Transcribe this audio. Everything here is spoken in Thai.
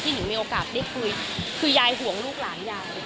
หิงมีโอกาสได้คุยคือยายห่วงลูกหลานยาย